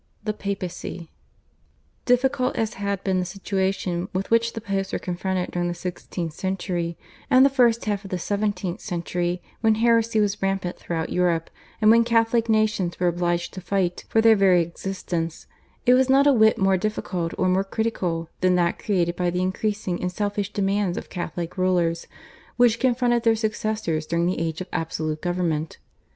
/Bullarium Romanum/. Difficult as had been the situation with which the Popes were confronted during the sixteenth century and the first half of the seventeenth century, when heresy was rampant throughout Europe, and when Catholic nations were obliged to fight for their very existence, it was not a whit more difficult or more critical than that created by the increasing and selfish demands of Catholic rulers, which confronted their successors during the age of absolute government.